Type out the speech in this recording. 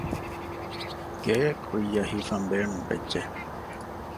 ގެއެއް ކުއްޔަށް ހިފަންބޭނުންވެއްޖެ